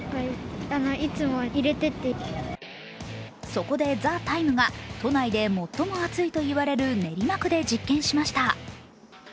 そこで「ＴＨＥＴＩＭＥ，」が都内で最も暑いといわれる練馬区で実験しました。